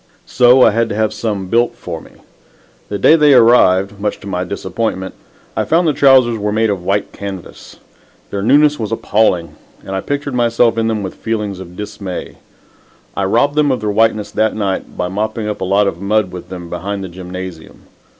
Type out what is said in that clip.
So I had to have some built for me. The day they arrived, much to my disappointment, I found the trousers were made of white canvas. Their newness was appalling and I pictured myself in them with feelings of dismay. I robbed them of their whiteness that night by mopping up a lot of mud with them behind the gymnasium.